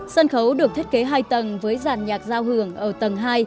sân khấu được thiết kế hai tầng với giàn nhạc giao hưởng ở tầng hai